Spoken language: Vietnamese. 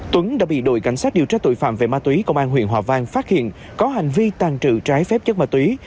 tuấn đã bị đội cảnh sát điều tra tội phạm về ma túy công an huyện hòa vang phát hiện có hành vi tàn trự trái phép chất ma túy